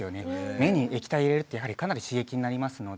目に液体入れるってかなり刺激になりますので。